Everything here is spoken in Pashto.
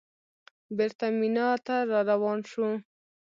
بېرته مینا ته راروان شوو.